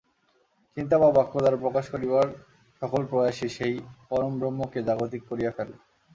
চিন্তা বা বাক্য দ্বারা প্রকাশ করিবার সকল প্রয়াসই সেই পরব্রহ্মকে জাগতিক করিয়া ফেলে।